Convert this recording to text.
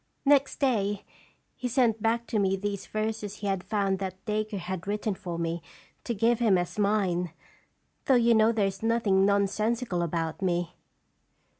Next day he sent back to me these verses he had found that Dacre had written for me to give him as mine, though you know there is nothing nonsensical about me."